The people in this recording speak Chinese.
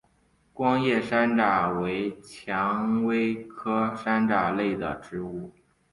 光叶山楂为蔷薇科山楂属的植物。